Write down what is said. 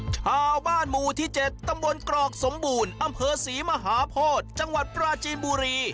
ชาวบ้านหมู่ที่๗ตำบลกรอกสมบูรณ์อำเภอศรีมหาโพธิจังหวัดปราจีนบุรี